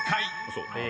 そう。